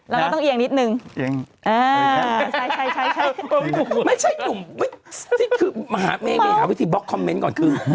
แล้วก็ต้องเอียงนิดนึงใช่ใช่ใช่ไม่ใช่หนุ่มไม่หาวิธีบล็อกคอมเมนต์ก่อนคือ